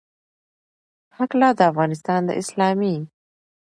هکله، د افغانستان د اسلامي